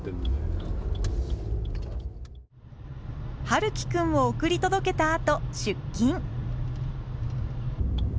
悠生くんを送り届けたあと出勤。